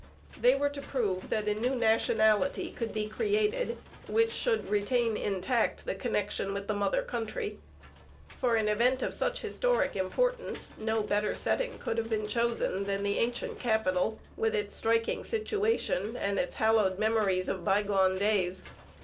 They were to prove that a new nationality could be created, which should retain intact the connection with the mother country. For an event of such historic importance no better setting could have been chosen than the Ancient Capital, with its striking situation and its hallowed memories of bygone days.